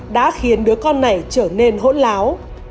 đã khiến đứa con này trở nên hỗn láo